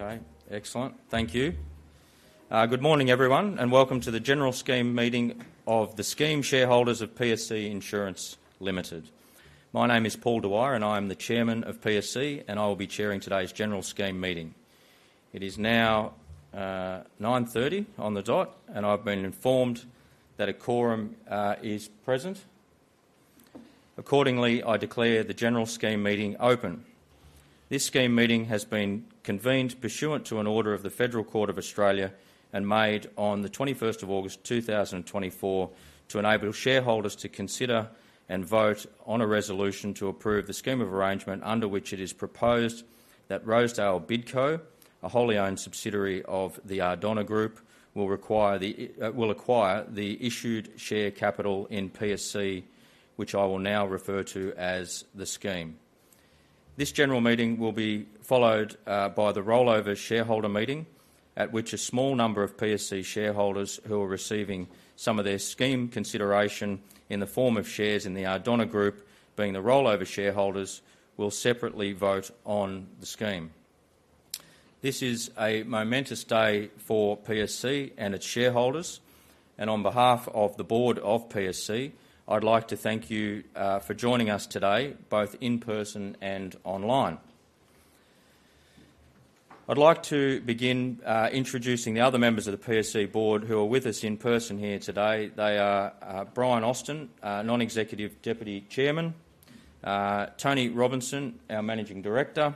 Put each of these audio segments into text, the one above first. Okay, excellent. Thank you. Good morning, everyone, and welcome to the General Scheme Meeting of the scheme shareholders of PSC Insurance Limited. My name is Paul Dwyer, and I am the chairman of PSC, and I will be chairing today's General Scheme Meeting. It is now 9:30 A.M. on the dot, and I've been informed that a quorum is present. Accordingly, I declare the General Scheme Meeting open. This scheme meeting has been convened pursuant to an order of the Federal Court of Australia and made on the 21st of August, 2024, to enable shareholders to consider and vote on a resolution to approve the scheme of arrangement under which it is proposed that Rosedale Bidco, a wholly owned subsidiary of the Ardonagh Group, will acquire the issued share capital in PSC, which I will now refer to as the scheme. This general meeting will be followed by the rollover shareholder meeting, at which a small number of PSC shareholders who are receiving some of their scheme consideration in the form of shares in the Ardonagh Group, being the rollover shareholders, will separately vote on the scheme. This is a momentous day for PSC and its shareholders, and on behalf of the board of PSC, I'd like to thank you for joining us today, both in person and online. I'd like to begin introducing the other members of the PSC board who are with us in person here today. They are Brian Austin, Non-executive Deputy Chairman, Tony Robinson, our Managing Director,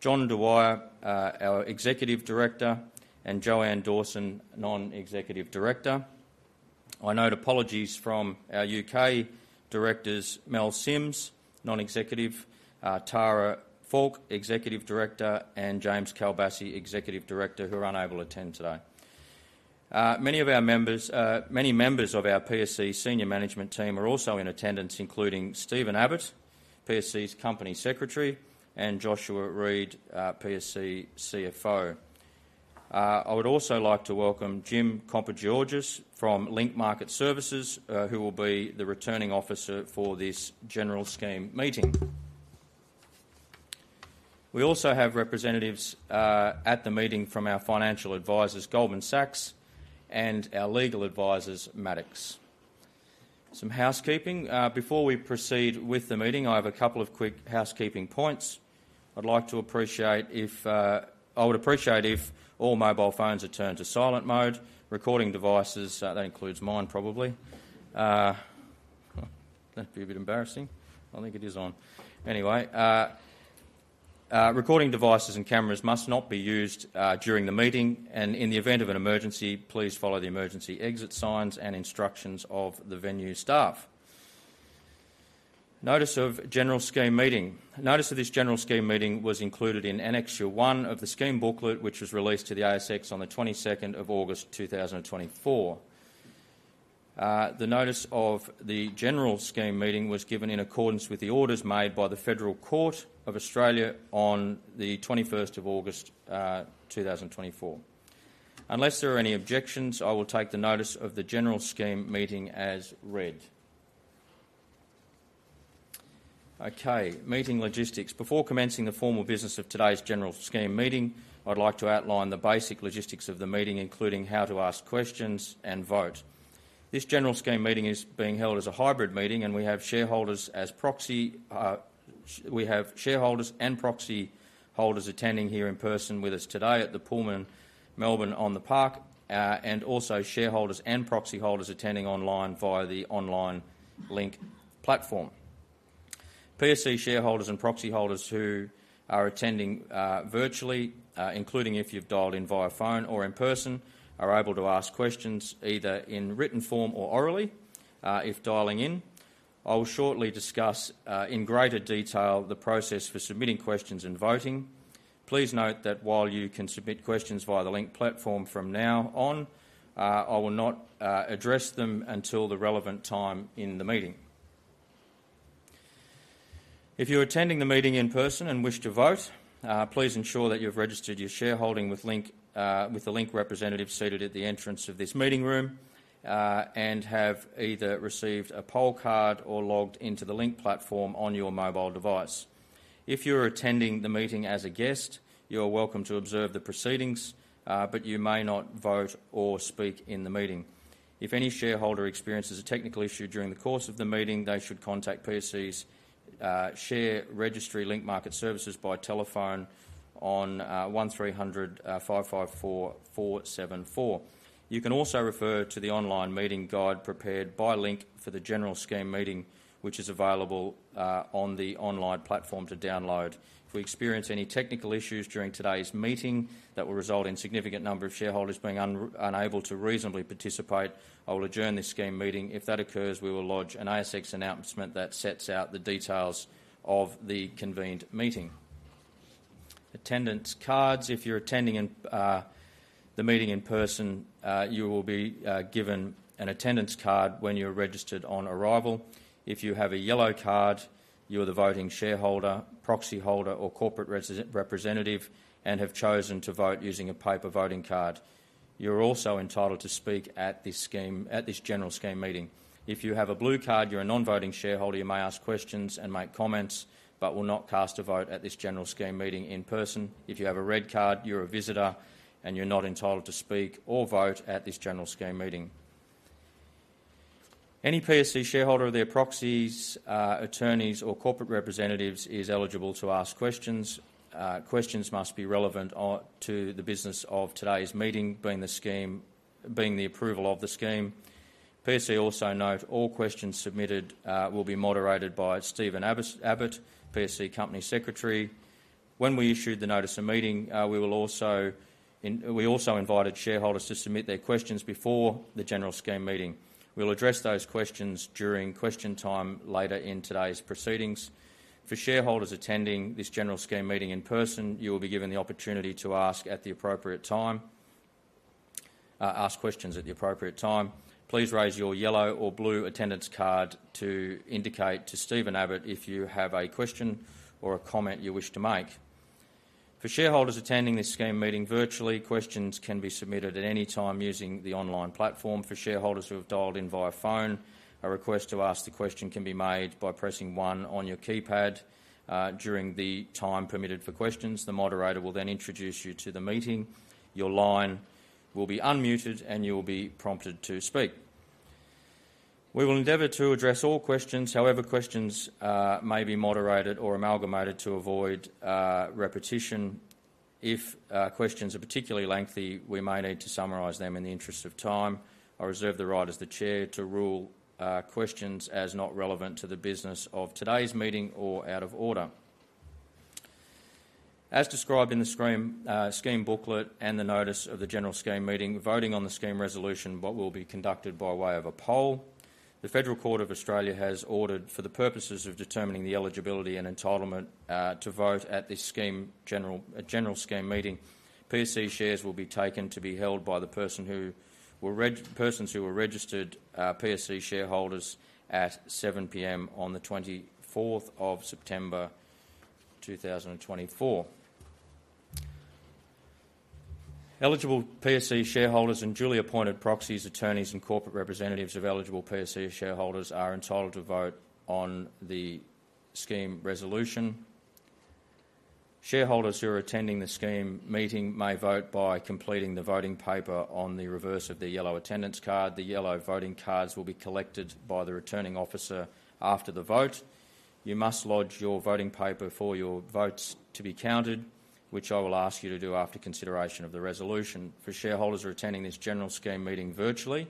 John Dwyer, our Executive Director, and Joanne Dawson, Non-executive Director. I note apologies from our UK directors, Mel Sims, Non-executive, Tara Falk, Executive Director, and James Kalbassi, Executive Director, who are unable to attend today. Many members of our PSC senior management team are also in attendance, including Stephen Abbott, PSC's Company Secretary, and Joshua Reid, PSC CFO. I would also like to welcome Jim Kompogiorgas from Link Market Services, who will be the returning officer for this General Scheme Meeting. We also have representatives at the meeting from our financial advisors, Goldman Sachs, and our legal advisors, Maddocks. Some housekeeping. Before we proceed with the meeting, I have a couple of quick housekeeping points. I would appreciate if all mobile phones are turned to silent mode, recording devices, that includes mine, probably. That'd be a bit embarrassing. I think it is on. Anyway, recording devices and cameras must not be used during the meeting, and in the event of an emergency, please follow the emergency exit signs and instructions of the venue staff. Notice of General Scheme Meeting. Notice of this General Scheme Meeting was included in Annexure One of the Scheme Booklet, which was released to the ASX on the 22nd of August, 2024. The notice of the General Scheme Meeting was given in accordance with the orders made by the Federal Court of Australia on the 21st of August, 2024. Unless there are any objections, I will take the notice of the General Scheme Meeting as read. Okay, meeting logistics. Before commencing the formal business of today's General Scheme Meeting, I'd like to outline the basic logistics of the meeting, including how to ask questions and vote. This General Scheme Meeting is being held as a hybrid meeting, and we have shareholders and proxy holders attending here in person with us today at the Pullman Melbourne On The Park, and also shareholders and proxy holders attending online via the online Link Platform. PSC shareholders and proxy holders who are attending virtually, including if you've dialed in via phone or in person, are able to ask questions either in written form or orally, if dialing in. I will shortly discuss in greater detail the process for submitting questions and voting. Please note that while you can submit questions via the Link Platform from now on, I will not address them until the relevant time in the meeting. If you're attending the meeting in person and wish to vote, please ensure that you've registered your shareholding with Link, with the Link representative seated at the entrance of this meeting room, and have either received a poll card or logged into the Link Platform on your mobile device. If you're attending the meeting as a guest, you are welcome to observe the proceedings, but you may not vote or speak in the meeting. If any shareholder experiences a technical issue during the course of the meeting, they should contact PSC's share registry Link Market Services by telephone on 1300 554 474. You can also refer to the online meeting guide prepared by Link for the General Scheme Meeting, which is available on the online platform to download. If we experience any technical issues during today's meeting that will result in significant number of shareholders being unable to reasonably participate, I will adjourn this scheme meeting. If that occurs, we will lodge an ASX announcement that sets out the details of the convened meeting. Attendance cards. If you're attending in the meeting in person, you will be given an attendance card when you're registered on arrival. If you have a yellow card, you're the voting shareholder, proxy holder, or corporate representative and have chosen to vote using a paper voting card. You're also entitled to speak at this General Scheme Meeting. If you have a blue card, you're a non-voting shareholder. You may ask questions and make comments but will not cast a vote at this General Scheme Meeting in person. If you have a red card, you're a visitor, and you're not entitled to speak or vote at this General Scheme Meeting. Any PSC shareholder or their proxies, attorneys, or corporate representatives is eligible to ask questions. Questions must be relevant to the business of today's meeting, being the approval of the scheme. PSC also note all questions submitted will be moderated by Stephen Abbott, PSC company secretary. When we issued the notice of meeting, we also invited shareholders to submit their questions before the General Scheme Meeting. We'll address those questions during question time later in today's proceedings. For shareholders attending this General Scheme Meeting in person, you will be given the opportunity to ask questions at the appropriate time. Please raise your yellow or blue attendance card to indicate to Stephen Abbott if you have a question or a comment you wish to make. For shareholders attending this scheme meeting virtually, questions can be submitted at any time using the online platform. For shareholders who have dialed in via phone, a request to ask the question can be made by pressing one on your keypad during the time permitted for questions. The moderator will then introduce you to the meeting. Your line will be unmuted, and you will be prompted to speak. We will endeavor to address all questions. However, questions may be moderated or amalgamated to avoid repetition. If questions are particularly lengthy, we may need to summarize them in the interest of time. I reserve the right as the Chair to rule questions as not relevant to the business of today's meeting or out of order. As described in the Scheme Booklet and the notice of the General Scheme Meeting, voting on the scheme resolution will be conducted by way of a poll. The Federal Court of Australia has ordered, for the purposes of determining the eligibility and entitlement to vote at this General Scheme Meeting, PSC shares will be taken to be held by the persons who were registered PSC shareholders at 7:00 P.M. on the 24th of September, 2024. Eligible PSC shareholders and duly appointed proxies, attorneys, and corporate representatives of eligible PSC shareholders are entitled to vote on the scheme resolution. Shareholders who are attending the scheme meeting may vote by completing the voting paper on the reverse of the yellow attendance card. The yellow voting cards will be collected by the returning officer after the vote. You must lodge your voting paper for your votes to be counted, which I will ask you to do after consideration of the resolution. For shareholders who are attending this General Scheme Meeting virtually,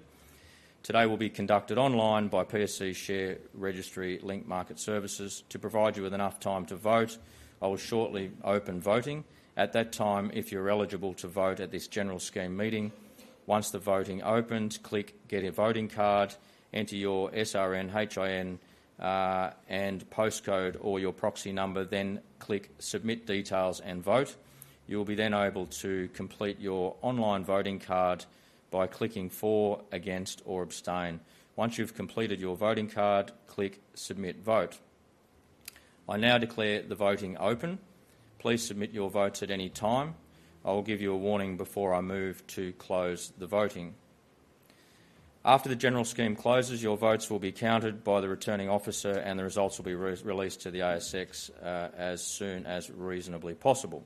today will be conducted online by PSC's share registry, Link Market Services. To provide you with enough time to vote, I will shortly open voting. At that time, if you're eligible to vote at this General Scheme Meeting, once the voting opens, click Get a Voting Card, enter your SRN, HIN, and postcode or your proxy number, then click Submit Details and Vote. You'll be then able to complete your online voting card by clicking For, Against, or Abstain. Once you've completed your voting card, click Submit Vote. I now declare the voting open. Please submit your votes at any time. I will give you a warning before I move to close the voting. After the general scheme closes, your votes will be counted by the returning officer, and the results will be re-released to the ASX, as soon as reasonably possible.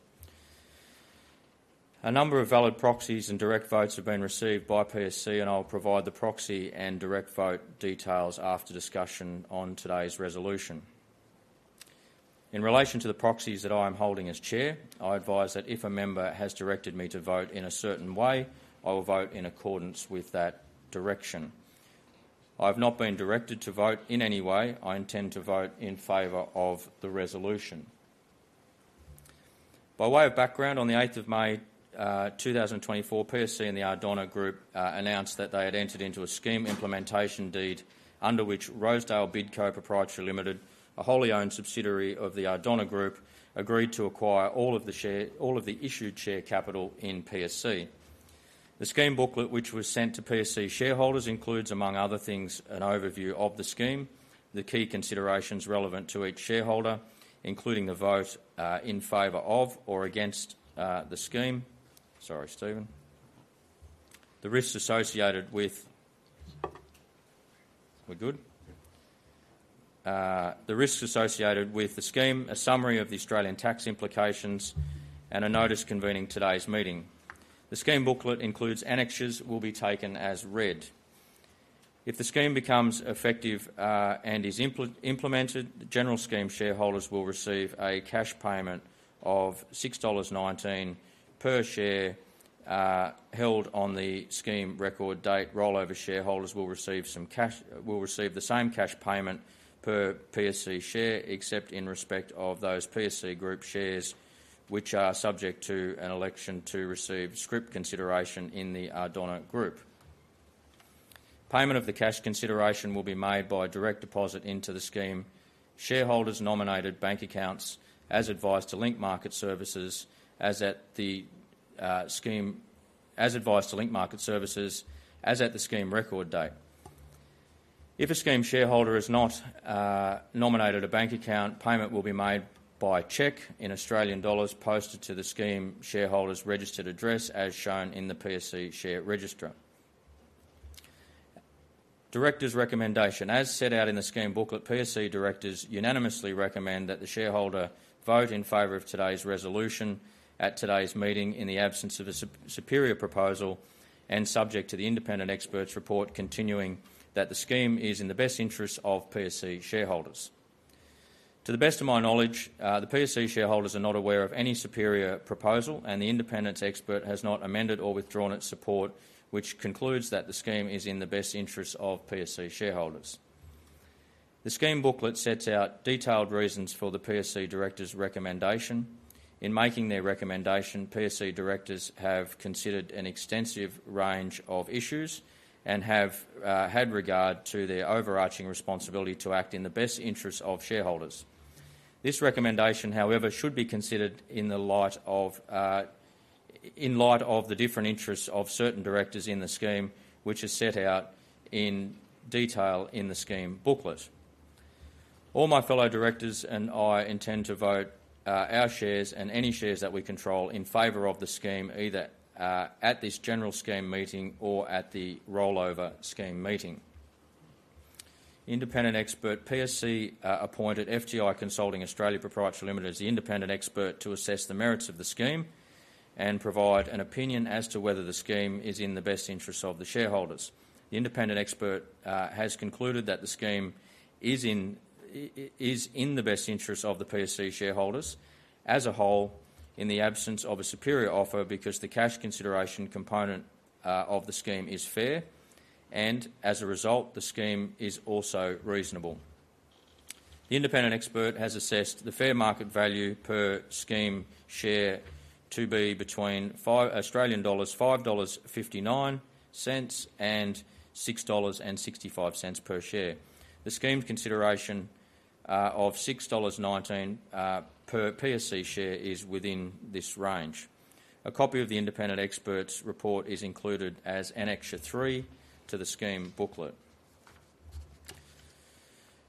A number of valid proxies and direct votes have been received by PSC, and I'll provide the proxy and direct vote details after discussion on today's resolution. In relation to the proxies that I am holding as chair, I advise that if a member has directed me to vote in a certain way, I will vote in accordance with that direction. I've not been directed to vote in any way. I intend to vote in favor of the resolution. By way of background, on the 8th of May, 2024, PSC and the Ardonagh Group announced that they had entered into a Scheme Implementation Deed under which Rosedale Bidco Pty Limited, a wholly owned subsidiary of the Ardonagh Group, agreed to acquire all of the issued share capital in PSC. The Scheme Booklet, which was sent to PSC shareholders, includes, among other things, an overview of the scheme, the key considerations relevant to each shareholder, including the vote in favor of or against the scheme. Sorry, Stephen. The risks associated with the scheme, a summary of the Australian tax implications, and a notice convening today's meeting. The Scheme Booklet includes annexures will be taken as read. If the scheme becomes effective and is implemented, the general scheme shareholders will receive a cash payment of 6.19 dollars per share held on the scheme record date. Rollover shareholders will receive the same cash payment per PSC share, except in respect of those PSC group shares, which are subject to an election to receive scrip consideration in the Ardonagh Group. Payment of the cash consideration will be made by direct deposit into the scheme shareholders' nominated bank accounts, as advised to Link Market Services as at the scheme record date. If a scheme shareholder has not nominated a bank account, payment will be made by check in Australian dollars posted to the scheme shareholder's registered address, as shown in the PSC share register. Director's recommendation. As set out in the Scheme Booklet, PSC directors unanimously recommend that the shareholder vote in favor of today's resolution at today's meeting, in the absence of a superior proposal and subject to the Independent Expert's Report, concluding that the scheme is in the best interest of PSC shareholders. To the best of my knowledge, the PSC shareholders are not aware of any superior proposal, and the Independent Expert has not amended or withdrawn its support, which concludes that the scheme is in the best interest of PSC shareholders. The Scheme Booklet sets out detailed reasons for the PSC directors' recommendation. In making their recommendation, PSC directors have considered an extensive range of issues and have had regard to their overarching responsibility to act in the best interest of shareholders. This recommendation, however, should be considered in light of the different interests of certain directors in the scheme, which is set out in detail in the Scheme Booklet. All my fellow directors and I intend to vote our shares and any shares that we control in favor of the scheme, either at this General Scheme Meeting or at the rollover scheme meeting. Independent Expert, PSC appointed FTI Consulting Australia Pty Limited as the Independent Expert to assess the merits of the scheme and provide an opinion as to whether the scheme is in the best interest of the shareholders. The Independent Expert has concluded that the scheme is in the best interest of the PSC shareholders as a whole, in the absence of a superior offer, because the cash consideration component of the scheme is fair, and as a result, the scheme is also reasonable. The Independent Expert has assessed the fair market value per scheme share to be between Australian dollars, 5.59 dollars and 6.65 dollars per share. The scheme consideration of 6.19 dollars per PSC share is within this range. A copy of the Independent Expert's Report is included as Annex Three to the Scheme Booklet.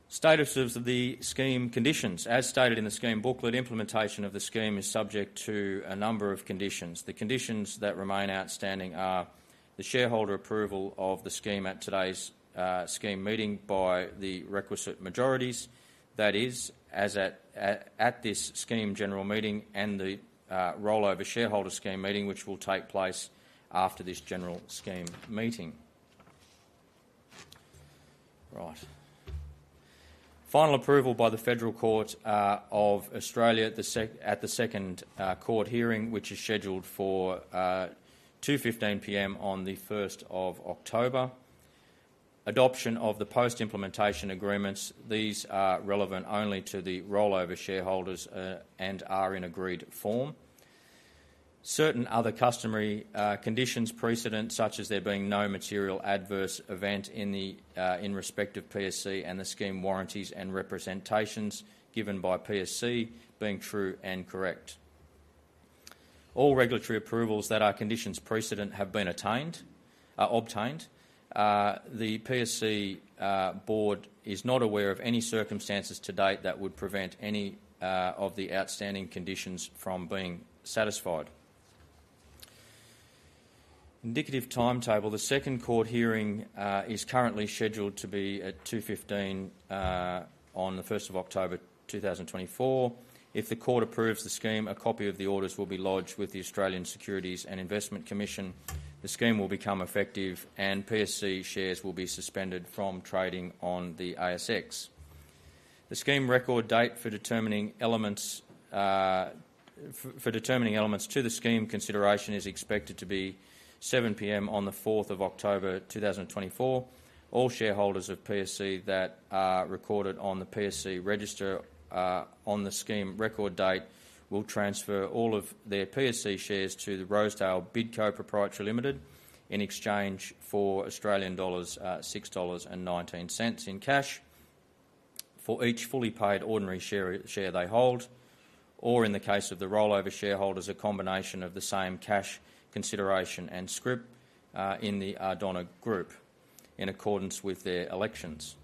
Status of the scheme conditions. As stated in the Scheme Booklet, implementation of the scheme is subject to a number of conditions. The conditions that remain outstanding are: the shareholder approval of the scheme at today's scheme meeting by the requisite majorities, that is, as at this scheme general meeting and the Rollover Shareholder Scheme Meeting, which will take place after this General Scheme Meeting. Right. Final approval by the Federal Court of Australia at the second court hearing, which is scheduled for 2:15 P.M. on the 1st of October. Adoption of the post-implementation agreements. These are relevant only to the rollover shareholders and are in agreed form. Certain other customary conditions precedent, such as there being no material adverse event in respect of PSC and the scheme warranties and representations given by PSC being true and correct. All regulatory approvals that are conditions precedent have been obtained. The PSC board is not aware of any circumstances to date that would prevent any of the outstanding conditions from being satisfied. Indicative timetable. The second court hearing is currently scheduled to be at 2:15 P.M. on the 1st of October, 2024. If the court approves the scheme, a copy of the orders will be lodged with the Australian Securities and Investments Commission. The scheme will become effective, and PSC shares will be suspended from trading on the ASX. The scheme record date for determining entitlements to the scheme consideration is expected to be 7:00 P.M. on the 4th of October, 2024. All shareholders of PSC that are recorded on the PSC register on the scheme record date will transfer all of their PSC shares to Rosedale Bidco Pty Limited in exchange for Australian dollars 6.19 in cash for each fully paid ordinary share they hold, or in the case of the rollover shareholders, a combination of the same cash consideration and scrip in The Ardonagh Group in accordance with their elections.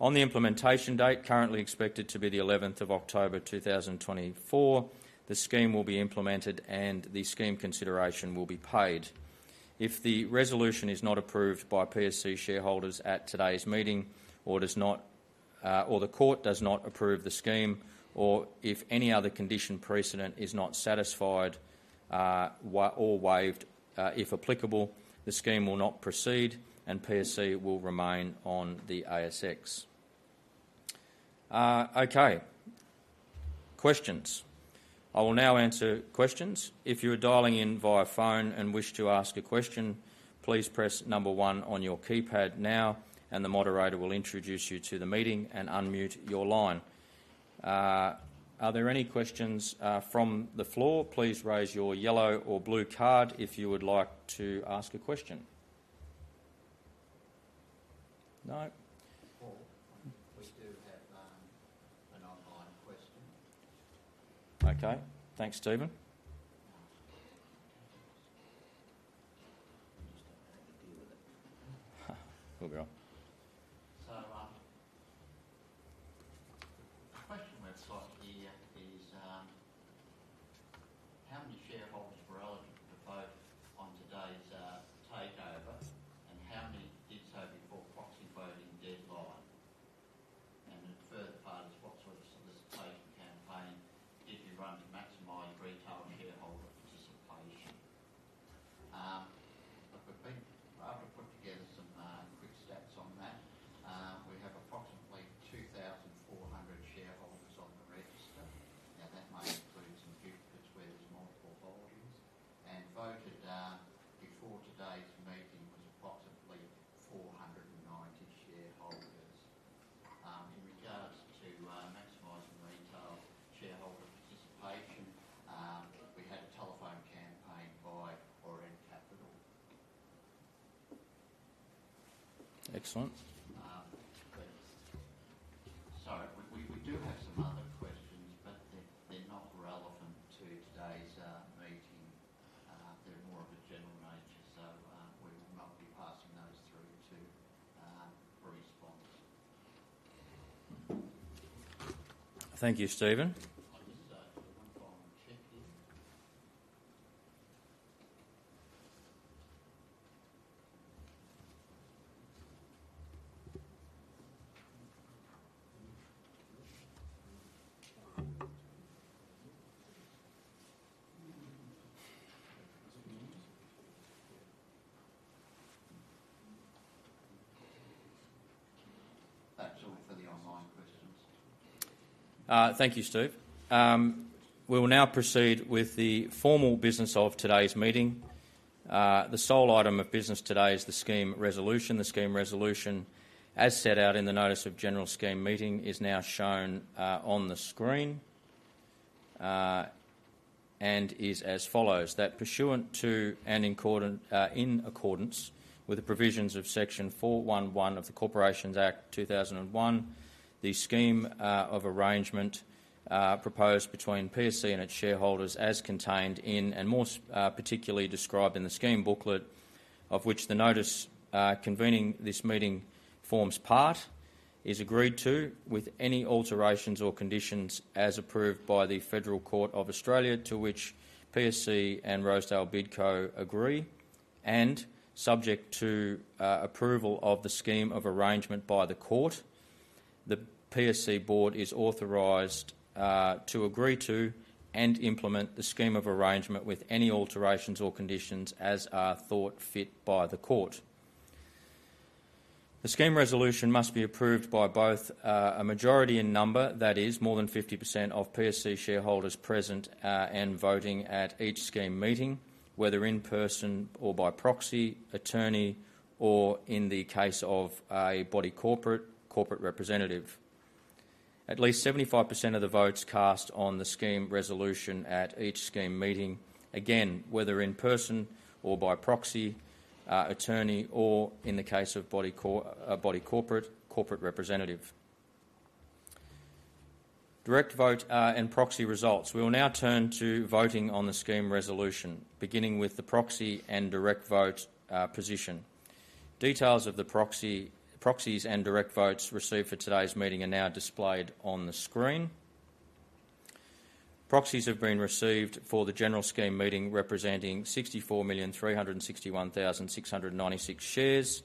On the implementation date, currently expected to be the 11th of October, 2024, the scheme will be implemented, and the scheme consideration will be paid. If the resolution is not approved by PSC shareholders at today's meeting, or does not... or the court does not approve the scheme, or if any other condition precedent is not satisfied, or waived, if applicable, the scheme will not proceed, and PSC will remain on the ASX. Okay, questions. I will now answer questions. If you are dialing in via phone and wish to ask a question, please press number one on your keypad now, and the moderator will introduce you to the meeting and unmute your line. Are there any questions from the floor? Please raise your yellow or blue card if you would like to ask a question. No? Paul, we do have an online question. Okay. Thanks, Stephen. We'll be right on. The question we've got We will now proceed with the formal business of today's meeting. The sole item of business today is the scheme resolution. The scheme resolution, as set out in the notice of General Scheme Meeting, is now shown on the screen and is as follows: That pursuant to and in accordance with the provisions of Section 411 of the Corporations Act 2001, the scheme of arrangement proposed between PSC and its shareholders as contained in, and more particularly described in the Scheme Booklet, of which the notice convening this meeting forms part, is agreed to with any alterations or conditions as approved by the Federal Court of Australia, to which PSC and Rosedale Bidco agree, and subject to approval of the scheme of arrangement by the Court. The PSC board is authorized to agree to and implement the scheme of arrangement with any alterations or conditions as are thought fit by the Court. The scheme resolution must be approved by both a majority in number, that is more than 50% of PSC shareholders present and voting at each scheme meeting, whether in person or by proxy attorney, or in the case of a body corporate, corporate representative. At least 75% of the votes cast on the scheme resolution at each scheme meeting, again, whether in person or by proxy attorney, or in the case of body corporate, corporate representative. Direct vote and proxy results. We will now turn to voting on the scheme resolution, beginning with the proxy and direct vote position. Details of the proxy, proxies and direct votes received for today's meeting are now displayed on the screen. Proxies have been received for the General Scheme Meeting, representing 64,361,696 shares,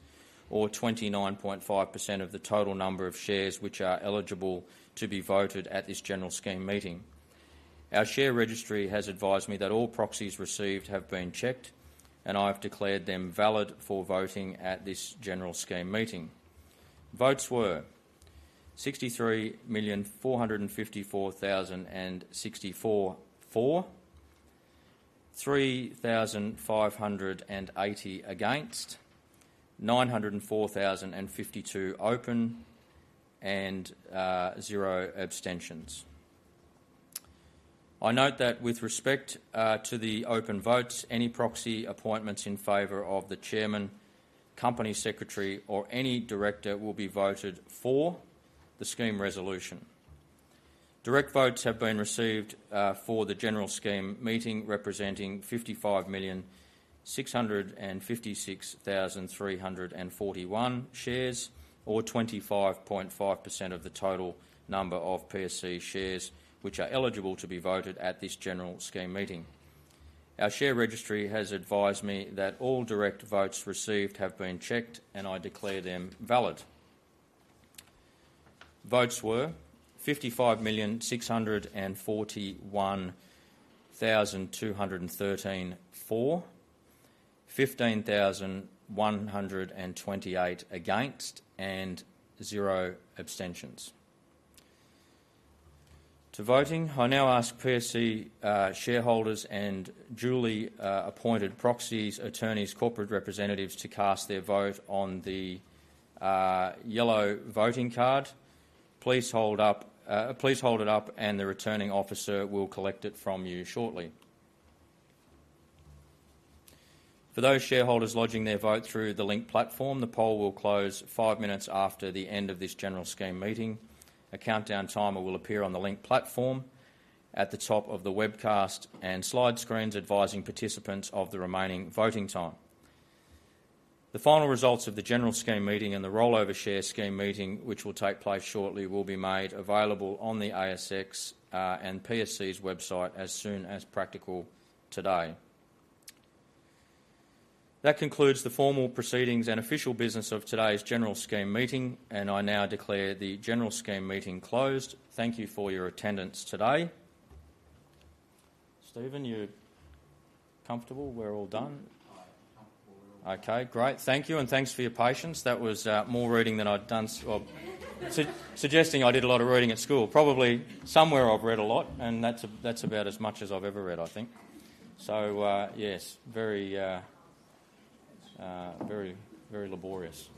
or 29.5% of the total number of shares which are eligible to be voted at this General Scheme Meeting. Our share registry has advised me that all proxies received have been checked, and I've declared them valid for voting at this General Scheme Meeting. Votes were 63,454,064 for, 3,580 against, 904,052 open, and zero abstentions. I note that with respect to the open votes, any proxy appointments in favor of the chairman, company secretary, or any director will be voted for the scheme resolution. Direct votes have been received for the General Scheme Meeting, representing 55,656,341 shares, or 25.5% of the total number of PSC shares, which are eligible to be voted at this General Scheme Meeting. Our share registry has advised me that all direct votes received have been checked, and I declare them valid. Votes were 55,641,213 for, 15,128 against, and zero abstentions. To voting, I now ask PSC shareholders and duly appointed proxies, attorneys, corporate representatives, to cast their vote on the yellow voting card. Please hold up. Please hold it up, and the returning officer will collect it from you shortly. For those shareholders lodging their vote through the Link Platform, the poll will close five minutes after the end of this General Scheme Meeting. A countdown timer will appear on the Link Platform at the top of the webcast and slide screens advising participants of the remaining voting time. The final results of the Rollover Shareholders' Scheme Meeting, which will take place shortly, will be made available on the ASX, and PSC's website as soon as practical today. That concludes the formal proceedings and official business of today's General Scheme Meeting, and I now declare the General Scheme Meeting closed. Thank you for your attendance today.... Stephen, you're comfortable? We're all done. Okay, great. Thank you, and thanks for your patience. That was, more reading than I'd done, suggesting I did a lot of reading at school. Probably somewhere I've read a lot, and that's about as much as I've ever read, I think. So, yes, very, very laborious.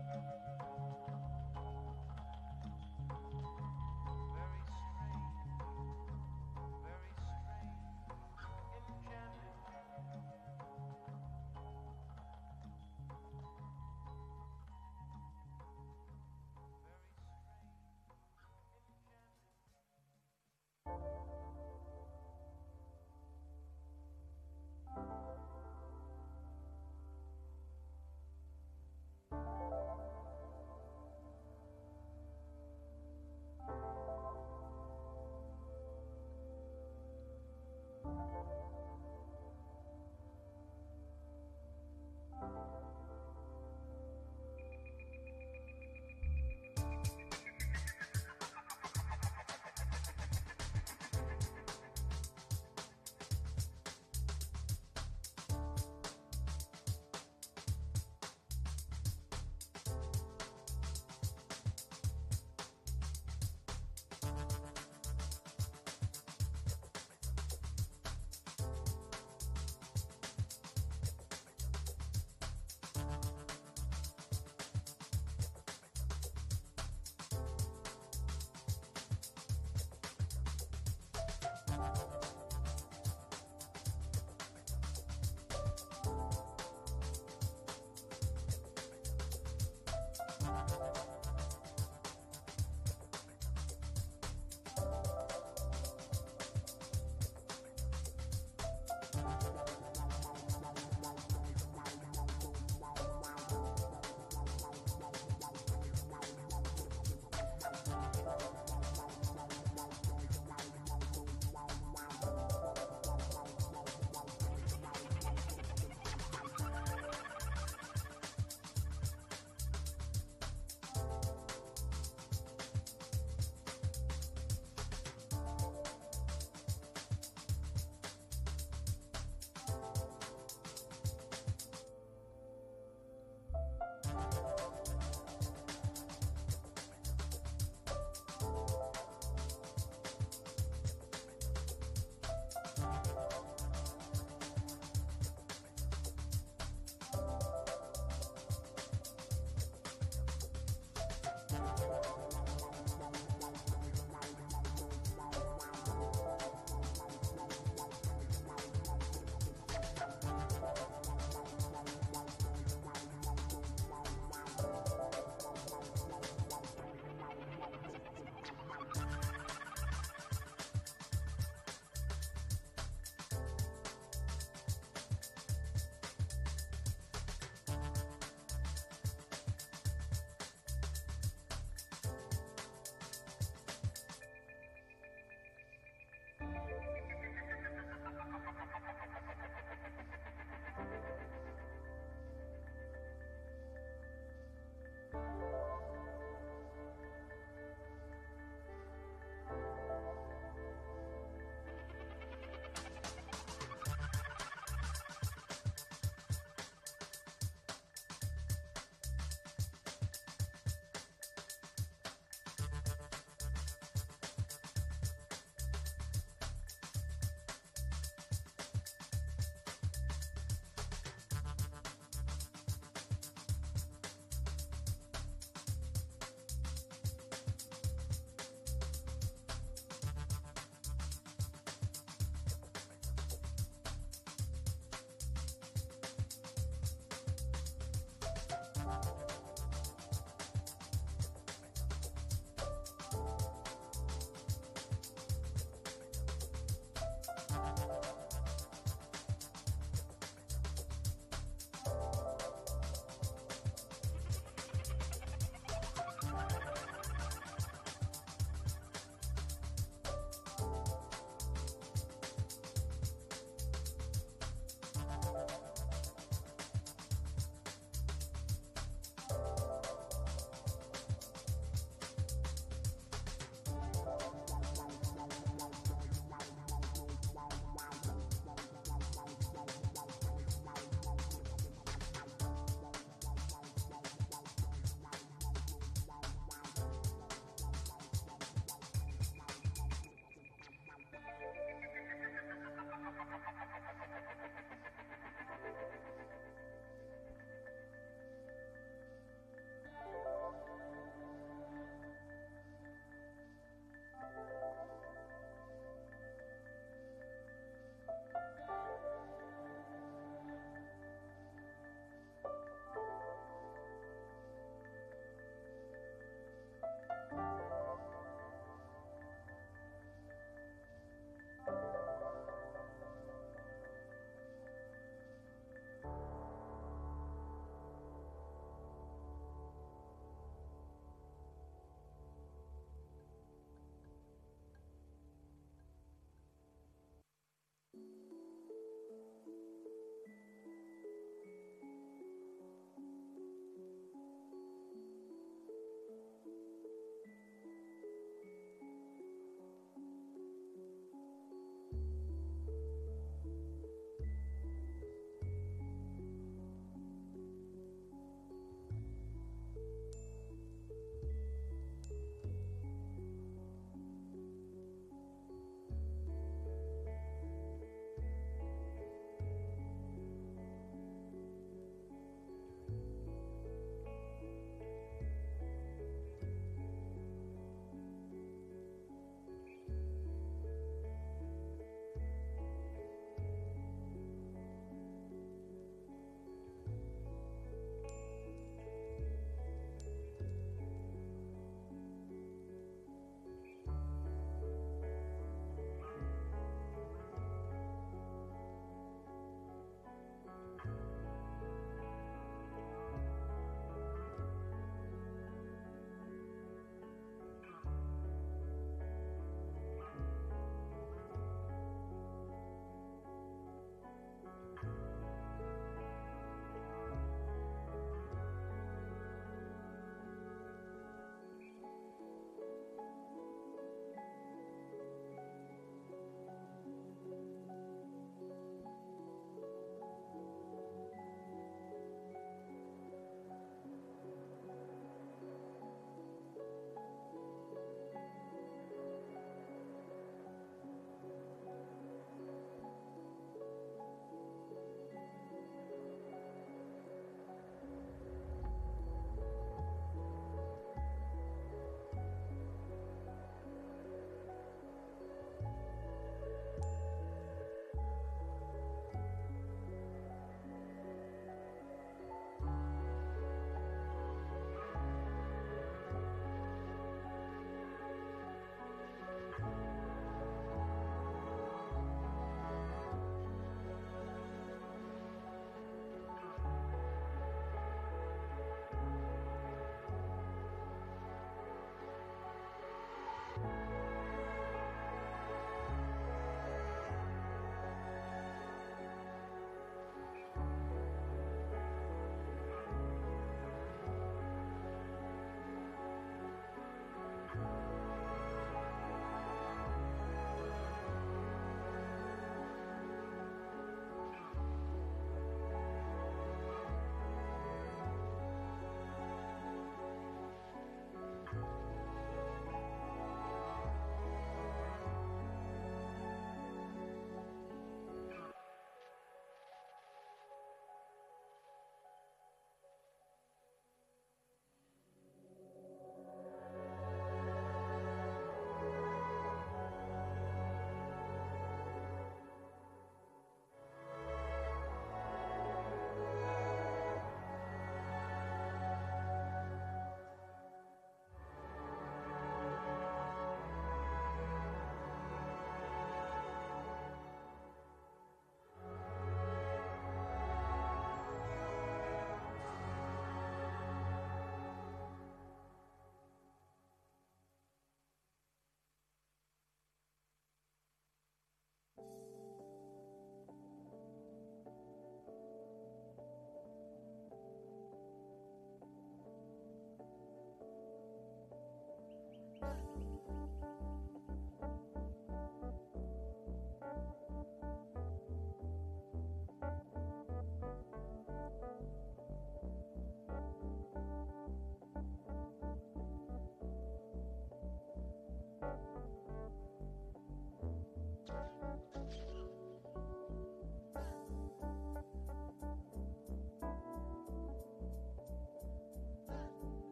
I do. I like it.... Maria! I asked you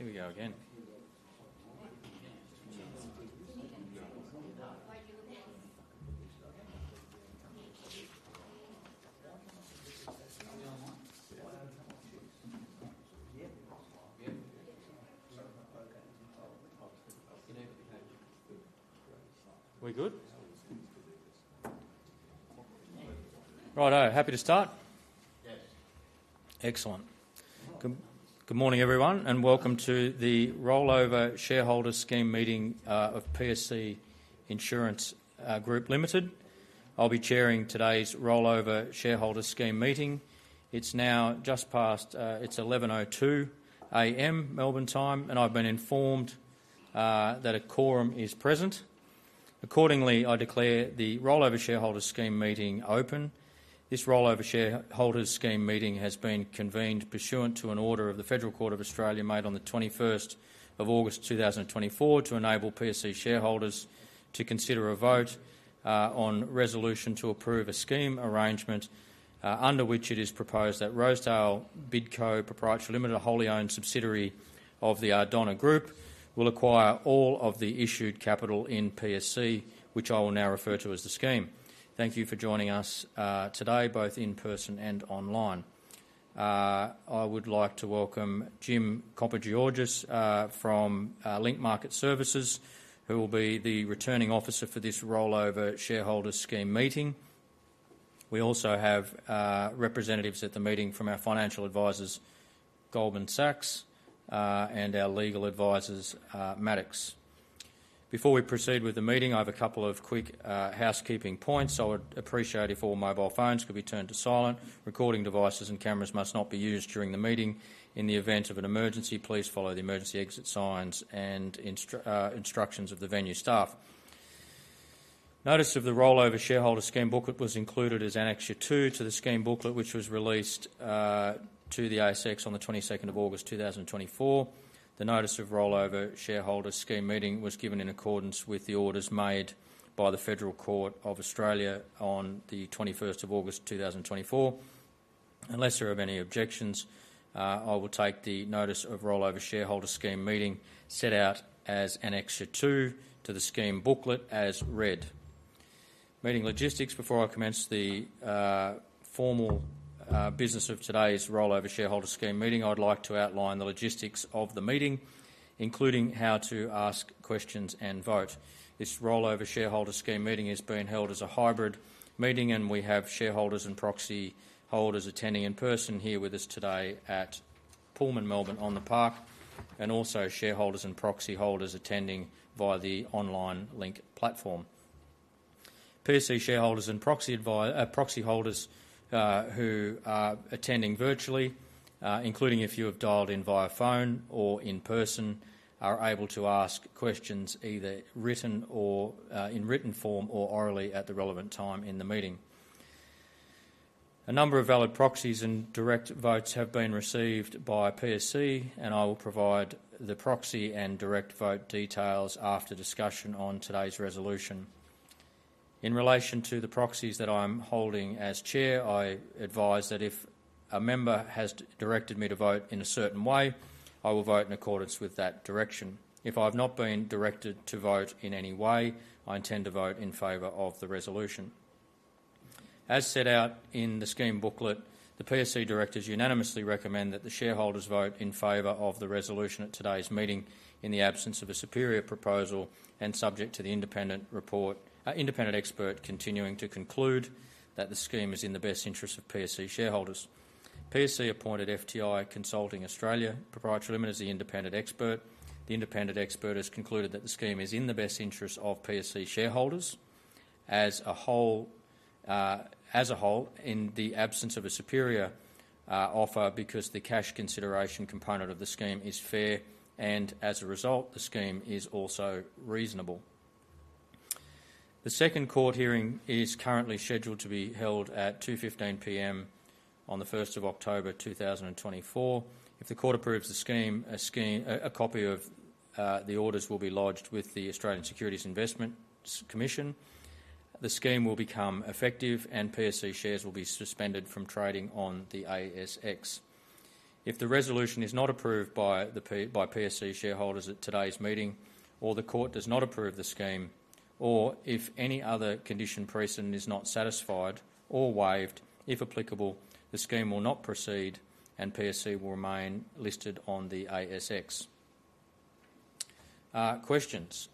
Here we go again. We're good? Righto, happy to start? Yes. Excellent. Good morning, everyone, and Rollover Shareholders' Scheme Meeting of PSC Insurance Group Limited. I'll be chairing today's Rollover Shareholders' Scheme Meeting. It's now just past 11:02 A.M., Melbourne time, and I've been informed that a quorum is present. Accordingly, Rollover Shareholders' Scheme Meeting has been convened pursuant to an order of the Federal Court of Australia, made on the 21st of August, 2024, to enable PSC shareholders to consider a vote on resolution to approve a scheme arrangement under which it is proposed that Rosedale Bidco Pty Limited, a wholly owned subsidiary of the Ardonagh Group, will acquire all of the issued capital in PSC, which I will now refer to as the scheme. Thank you for joining us, today, both in person and online. I would like to welcome Jim Kompogiorgas from Link Market Services, who will be the Returning Officer for this Rollover Shareholders' Scheme Meeting. we also have representatives at the meeting from our financial advisors, Goldman Sachs, and our legal advisors, Maddocks. Before we proceed with the meeting, I have a couple of quick housekeeping points. I would appreciate if all mobile phones could be turned to silent. Recording devices and cameras must not be used during the meeting. In the event of an emergency, please follow the emergency exit signs and instructions of the venue staff. Notice of the Rollover Shareholder Scheme Booklet was included as Annexure Two to the Scheme Booklet, which was released to the ASX on the 22nd of August, 2024. The notice of Rollover Shareholder Scheme Meeting was given in accordance with the orders made by the Federal Court of Australia on the 21st of August, 2024. Unless there are any objections, I will take the notice of Rollover Shareholder Scheme Meeting set out as Annexure Two to the Scheme Booklet as read. Meeting logistics. Before I commence the formal business of today's Rollover Shareholder Scheme Meeting, I'd like to outline the logistics of the meeting, including how to ask questions and vote. This Rollover Shareholder Scheme Meeting is being held as a hybrid meeting, and we have shareholders and proxy holders attending in person here with us today at Pullman Melbourne On The Park, and also shareholders and proxy holders attending via the online Link Platform. PSC shareholders and proxy holders who are attending virtually, including if you have dialed in via phone or in person, are able to ask questions either written or in written form or orally at the relevant time in the meeting. A number of valid proxies and direct votes have been received by PSC, and I will provide the proxy and direct vote details after discussion on today's resolution. In relation to the proxies that I'm holding as chair, I advise that if a member has directed me to vote in a certain way, I will vote in accordance with that direction. If I've not been directed to vote in any way, I intend to vote in favor of the resolution. As set out in the Scheme Booklet, the PSC directors unanimously recommend that the shareholders vote in favor of the resolution at today's meeting in the absence of a superior proposal and subject to the Independent Expert continuing to conclude that the scheme is in the best interest of PSC shareholders. PSC appointed FTI Consulting Australia Pty Limited as the Independent Expert. The Independent Expert has concluded that the scheme is in the best interest of PSC shareholders as a whole in the absence of a superior offer, because the cash consideration component of the scheme is fair, and as a result, the scheme is also reasonable. The second court hearing is currently scheduled to be held at 2:15 P.M. on the 1st of October, 2024. If the court approves the scheme, a scheme... A copy of the orders will be lodged with the Australian Securities and Investments Commission. The scheme will become effective, and PSC shares will be suspended from trading on the ASX. If the resolution is not approved by PSC shareholders at today's meeting, or the court does not approve the scheme, or if any other condition precedent is not satisfied or waived, if applicable, the scheme will not proceed, and PSC will remain listed on the ASX. Questions.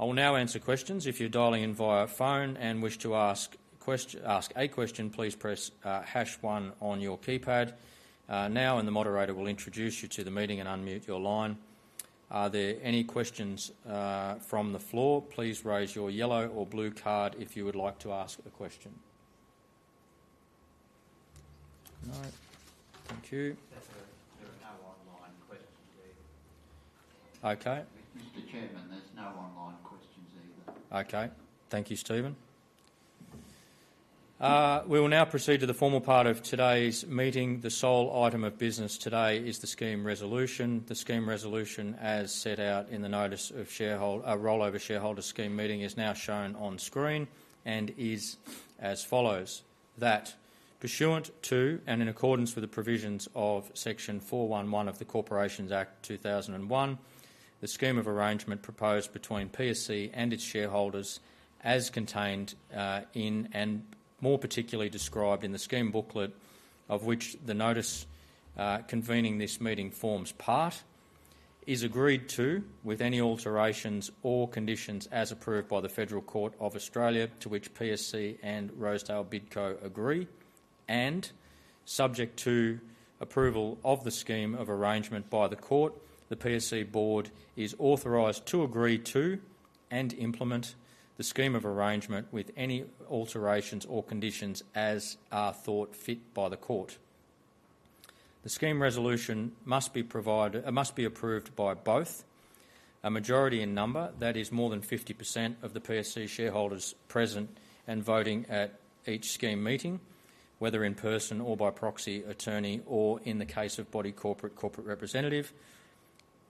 I will now answer questions. If you're dialing in via phone and wish to ask a question, please press hash one on your keypad now, and the moderator will introduce you to the meeting and unmute your line. Are there any questions from the floor? Please raise your yellow or blue card if you would like to ask a question. No? Thank you. There are no online questions either. Okay. Mr. Chairman, there's no online questions either. Okay. Thank you, Stephen. We will now proceed to the formal part of today's meeting. The sole item of business today is the scheme resolution. The scheme resolution, as set out in the notice of shareholder... The Rollover Shareholder Scheme Meeting is now shown on screen and is as follows: That pursuant to, and in accordance with the provisions of Section 411 of the Corporations Act 2001, the scheme of arrangement proposed between PSC and its shareholders, as contained in, and more particularly described in the Scheme Booklet, of which the notice convening this meeting forms part, is agreed to with any alterations or conditions as approved by the Federal Court of Australia, to which PSC and Rosedale Bidco agree, and subject to approval of the scheme of arrangement by the court, the PSC board is authorized to agree to and implement the scheme of arrangement with any alterations or conditions as are thought fit by the court. The scheme resolution must be approved by both a majority in number, that is more than 50% of the PSC shareholders present and voting at each scheme meeting, whether in person or by proxy attorney, or in the case of body corporate, corporate representative.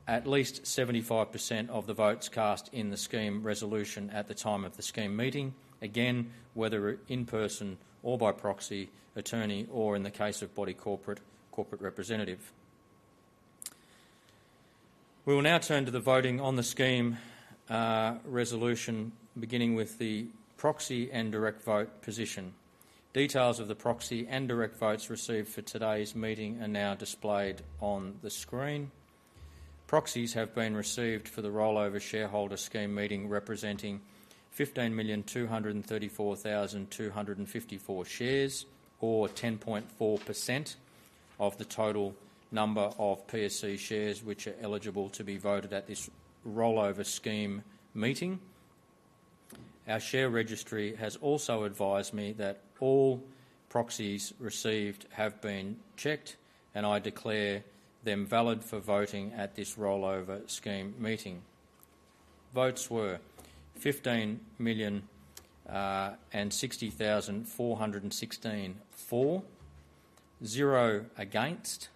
At least 75% of the votes cast in the scheme resolution at the time of the scheme meeting, again, whether in person or by proxy attorney, or in the case of body corporate, corporate representative. We will now turn to the voting on the scheme resolution, beginning with the proxy and direct vote position. Details of the proxy and direct votes received for today's meeting are now displayed on the screen.... Proxies have been received for the Rollover Shareholder Scheme Meeting, representing 15,234,254 shares, or 10.4% of the total number of PSC shares which are eligible to be voted at this rollover scheme meeting. Our share registry has also advised me that all proxies received have been checked, and I declare them valid for voting at this rollover scheme meeting. Votes were 15,060,416 for, zero against,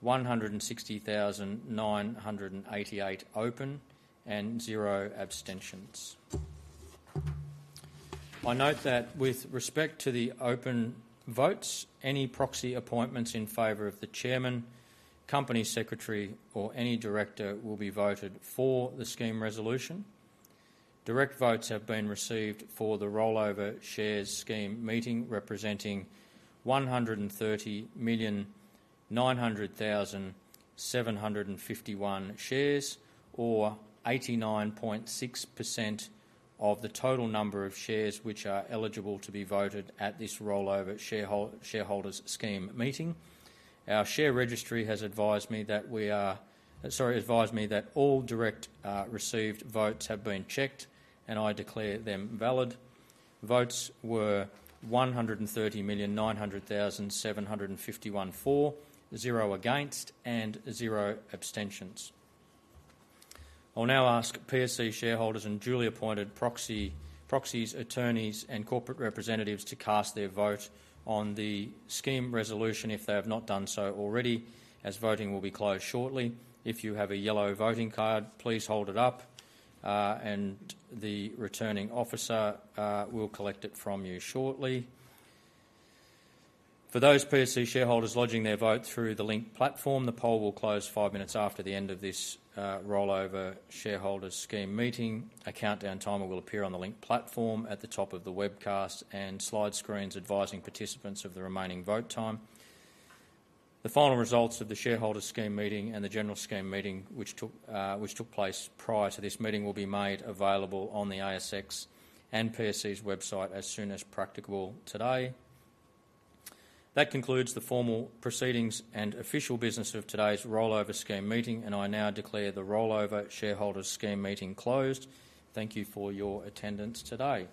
160,988 open, and zero abstentions. I note that with respect to the open votes, any proxy appointments in favor of the chairman, company secretary, or any director will be voted for the scheme resolution. Direct votes have been received for the rollover shareholders scheme meeting, representing 130,900,751 shares, or 89.6% of the total number of shares which are eligible to be voted at this rollover shareholders scheme meeting. Our share registry has advised me that all direct received votes have been checked, and I declare them valid. Votes were 130,900,751 for, zero against, and zero abstentions. I'll now ask PSC shareholders and duly appointed proxy, proxies, attorneys, and corporate representatives to cast their vote on the scheme resolution if they have not done so already, as voting will be closed shortly. If you have a yellow voting card, please hold it up, and the returning officer will collect it from you shortly. For those PSC shareholders lodging their vote through the Link Platform, the poll will close five minutes after the end of this, rollover shareholders scheme meeting. A countdown timer will appear on the Link Platform at the top of the webcast and slide screens advising participants of the remaining vote time. The final results of the shareholder scheme meeting and the General Scheme Meeting, which took place prior to this meeting, will be made available on the ASX and PSC's website as soon as practicable today. That concludes the formal proceedings and official business of today's rollover scheme meeting, and I now declare the rollover shareholders scheme meeting closed. Thank you for your attendance today.